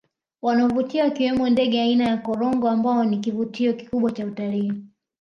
Wanaovutia wakiwemo ndege aina ya Korongo ambao ni kivutio kikubwa cha utalii